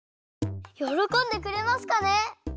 よろこんでくれますかね？